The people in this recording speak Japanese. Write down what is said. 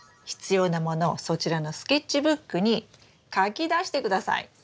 必要なものをそちらのスケッチブックに書き出して下さい。